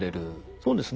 そうですね。